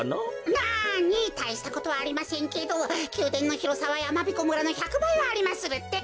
なにたいしたことはありませんけどきゅうでんのひろさはやまびこ村の１００ばいはありまするってか。